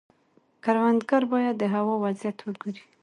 کروندګر باید د هوا وضعیت وګوري.